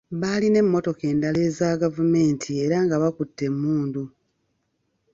Baalina emmotoka endala eza gavumenti era nga bakutte emmundu .